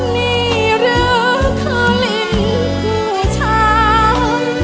นี่แหละเธอลิ้นผู้ชาย